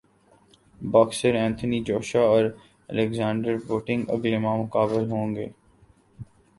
boxer Anthony Joshua اور Alexander Povetkin اگلے ماہ مقابل ہوں گے